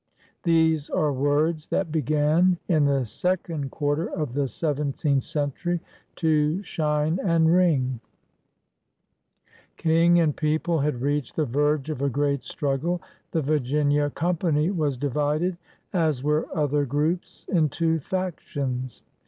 These are words that began, in the second quarter of the seventeenth century, to shine and ring. 108 IM PIONEERS OF THE OLD SOUTH Sang and people had reached the verge of a great struggle. The Virginia Company was divided, as were other groups, into factions.